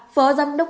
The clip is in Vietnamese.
phó giám đốc